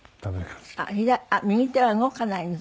あっ右手は動かないの？